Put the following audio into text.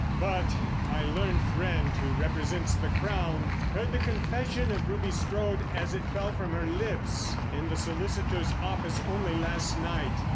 But my learned friend who represents the Crown, heard the confession of Ruby Strode as it fell from her lips in the solicitors' office only last night.